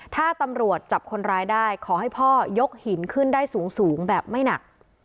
ถ้าตำรวจจับคนร้ายได้ขอให้พ่อยกหินขึ้นได้สูงแบบไม่หนัก